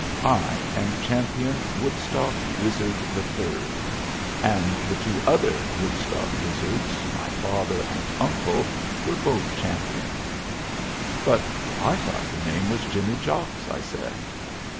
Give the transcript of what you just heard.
"I am Champion Woodstock Wizard III, and the two other Woodstock Wizards, my father and uncle, were both champions." "But I thought your name was Jimmy Jocks," I said.